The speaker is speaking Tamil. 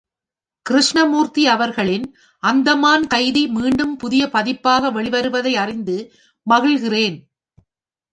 கிருஷ்ணமூர்த்தி அவர்களின் அந்தமான் கைதி மீண்டும் புதிய பதிப்பாக வெளிவருவதை அறிந்து மகிழ்கிறேன்.